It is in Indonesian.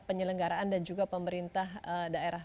penyelenggaraan dan juga pemerintah daerah